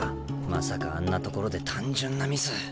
まさかあんなところで単純なミス。